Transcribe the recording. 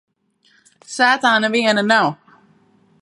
Sētā neviena nav.